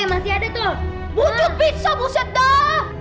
abis abis abis ya buset dah